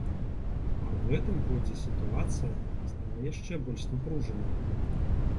А ў гэтым годзе сітуацыя стала яшчэ больш напружанай.